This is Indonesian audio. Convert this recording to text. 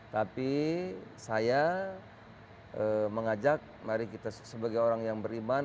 tapi saya mengajak mari kita sebagai orang yang beriman